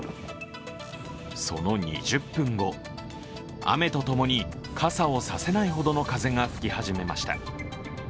その２０分後、雨と共に傘を差せないほどの風が吹き始めました。